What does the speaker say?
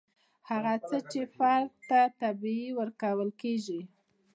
هغه څه چې فرد ته طبیعي ورکول کیږي.